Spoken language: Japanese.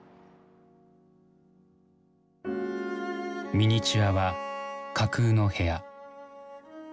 ミニチュアは架空の部屋。